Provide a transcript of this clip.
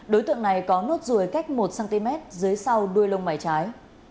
đối tượng này có nốt rùi cách một cm dưới sau đuôi lông bài trái